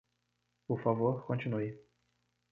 Por favor continue.